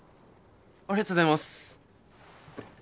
ありがとうございます。